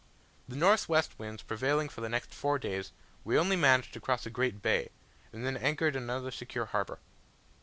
The north west winds prevailing for the next four days, we only managed to cross a great bay, and then anchored in another secure harbour.